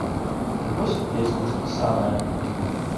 І вось песня запісаная.